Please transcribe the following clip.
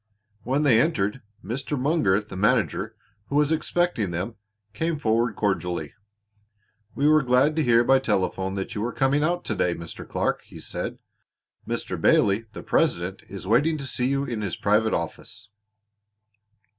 When they entered Mr. Munger, the manager, who was expecting them, came forward cordially. "We were glad to hear by telephone that you were coming out to day, Mr. Clark," he said. "Mr. Bailey, the president, is waiting to see you in his private office."